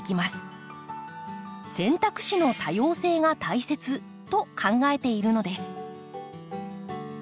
選択肢の多様性が大切と考えているのです。